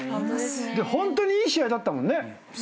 ホントにいい試合だったもんね。